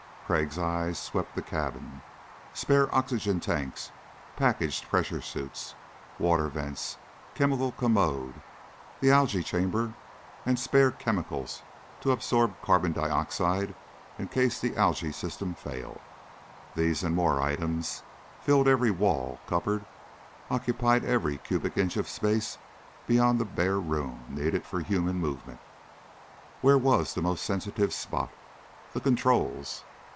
Crag's eyes swept the cabin. Spare oxygen tanks, packaged pressure suits, water vents, chemical commode, the algae chamber and spare chemicals to absorb carbon dioxide in case the algae system failed these and more items filled every wall, cupboard, occupied every cubic inch of space beyond the bare room needed for human movement. Where was the most sensitive spot? The controls.